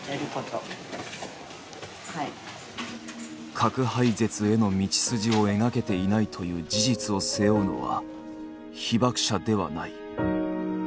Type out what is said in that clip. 核廃絶への道筋を描けていないという事実を背負うのは被爆者ではない。